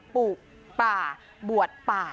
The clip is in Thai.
ปลูกป่าบวชป่า